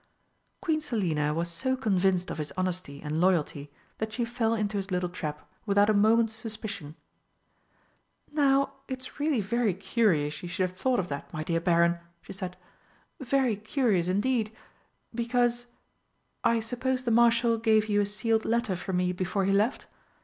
Queen Selina was so convinced of his honesty and loyalty that she fell into his little trap without a moment's suspicion. "Now, it's really very curious you should have thought of that, my dear Baron!" she said, "very curious indeed! Because I suppose the Marshal gave you a sealed letter from me before he left?...